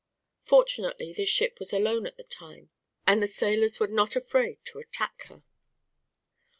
Fortunately this ship was alone at the time, and the sailors were not afraid to attack her.